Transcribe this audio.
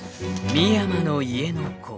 ［「深山の家の子」